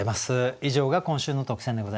以上が今週の特選でございました。